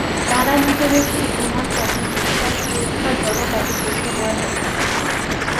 তাঁরা মৃত ব্যক্তির ঈমান তথা বিশ্বাস পরীক্ষার জন্য তাকে প্রশ্ন করে থাকেন।